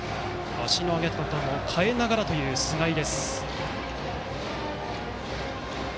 足の上げ方も変えながらという菅井。